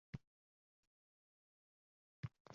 Ancha o‘rganib qolgan edim.